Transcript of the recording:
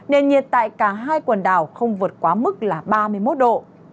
nền nhiệt tại cả hai quần đảo không vượt quá mức là ba mươi một độ